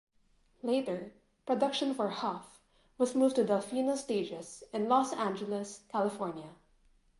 Later, production for "Huff" was moved to Delfino Stages in Los Angeles, California.